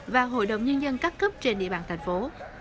và hội đồng nhân dân các cấp trên địa bàn thành phố